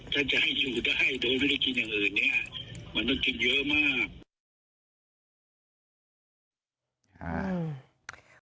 จะให้อยู่ถ้าให้โดยไม่ได้กินอย่างอื่นเนี่ยมันต้องกินเยอะมาก